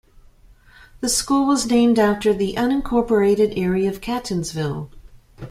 The school was named after the unincorporated area of Catonsville.